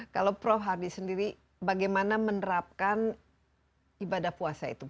kalau prof hardi sendiri bagaimana menerapkan ibadah puasa itu